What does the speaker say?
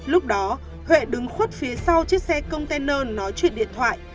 lúc đó huệ đứng khuất phía sau chiếc xe container nói chuyện điện thoại